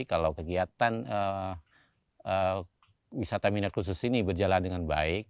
kalau kegiatan wisata minat khusus ini berjalan dengan baik